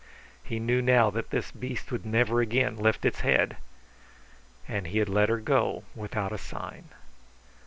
He knew now that this beast would never again lift its head. And he had let her go without a sign.